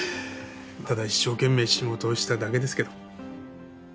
ただ一生懸命仕事をしただけですけど。